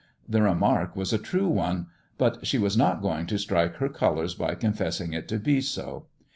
The remark was a true one, but she was not going to strike her colours by confessing it to be so.